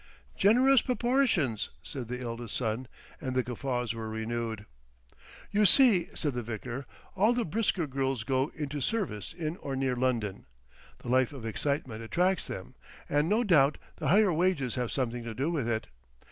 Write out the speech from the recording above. "Generous proportions!" said the eldest son, and the guffaws were renewed. "You see," said the vicar, "all the brisker girls go into service in or near London. The life of excitement attracts them. And no doubt the higher wages have something to do with it.